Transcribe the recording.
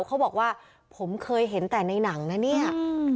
เขาบอกว่าผมเคยเห็นแต่ในหนังนะเนี่ย